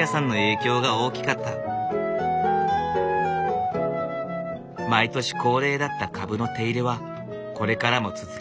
毎年恒例だった株の手入れはこれからも続けていく。